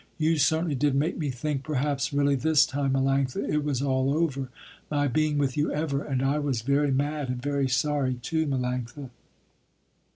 "You certainly did make me think, perhaps really this time, Melanctha, it was all over, my being with you ever, and I was very mad, and very sorry, too, Melanctha."